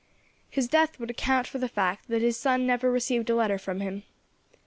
His death would account for the fact that his son never received a letter from him.